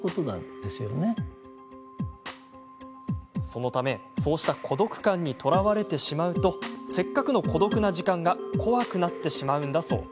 そのため、そうした孤独感にとらわれてしまうとせっかくの孤独な時間が怖くなってしまうんだそう。